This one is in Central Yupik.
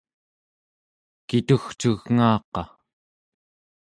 kitugcugngaaqa